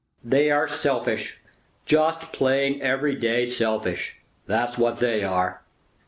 "They are selfish, just plain, every day selfish; that's what they are!